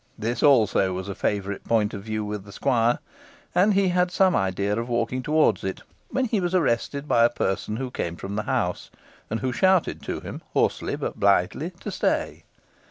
This, also, was a favourite point of view with the squire, and he had some idea of walking towards it, when he was arrested by a person who came from the house, and who shouted to him, hoarsely but blithely, to stay.